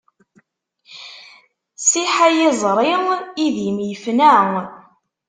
Siḥ ay iẓri idim ifna.